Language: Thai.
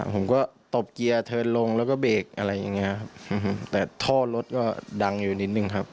ผมก็ตบเกียร์เทิร์นลงแล้วก็เบรกอะไรอย่างเงี้ยครับแต่ท่อรถก็ดังอยู่นิดนึงครับ